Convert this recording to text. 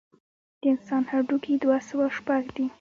د انسان هډوکي دوه سوه شپږ دي.